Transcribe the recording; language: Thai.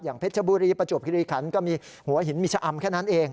เพชรบุรีประจวบคิริขันก็มีหัวหินมีชะอำแค่นั้นเอง